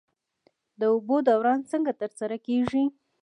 د اوبو دوران څنګه ترسره کیږي؟